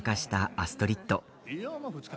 アストリッド！